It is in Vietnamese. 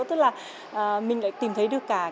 tức là mình lại tìm thấy được cả cái